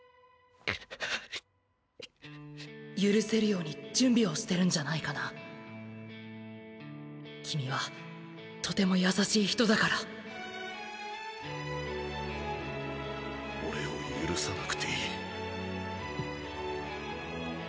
許せるように準備をしてるんじゃないかな君はとても優しい人だから俺を許さなくていい。